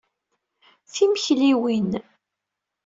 Timekliwin!